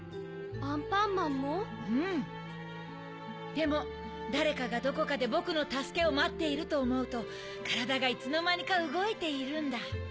でもだれかがどこかでぼくのたすけをまっているとおもうとからだがいつのまにかうごいているんだ。